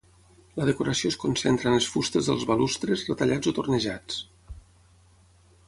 La decoració es concentra en les fustes dels balustres, retallats o tornejats.